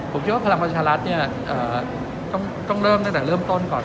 ผมคิดว่าพลังประชารัฐเนี่ยเอ่อต้องต้องเริ่มตั้งแต่เริ่มต้นก่อน